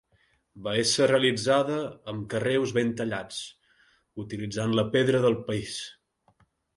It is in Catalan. Va ésser realitzada amb carreus ben tallats, utilitzant la pedra del país.